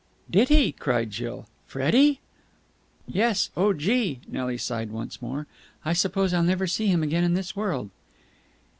"Did he?" cried Jill. "Freddie!" "Yes. Oh, Gee!" Nelly sighed once more. "I suppose I'll never see him again in this world."